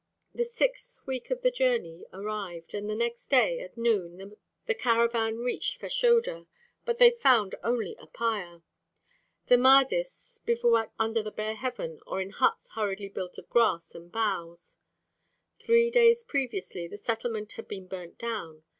The sixth week of the journey arrived. On the next day at noon the caravan reached Fashoda, but they found only a pyre. The Mahdists bivouacked under the bare heaven or in huts hurriedly built of grass and boughs. Three days previously the settlement had been burnt down.